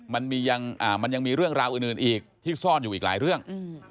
มันยังมีเรื่องราวอื่นอีกที่ซ่อนอยู่อีกหลายเรื่อง